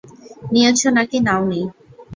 নিয়েছো না কি নাওনি?